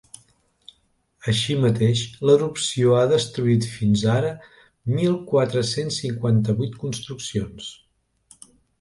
Així mateix, l’erupció ha destruït fins ara mil quatre-cents cinquanta-vuit construccions.